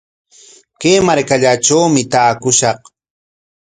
Kay markallatrawmi taakushaq.